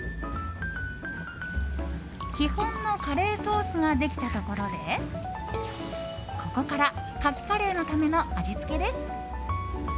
基本のカレーソースができたところでここからカキカレーのための味付けです。